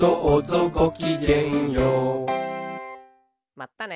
まったね。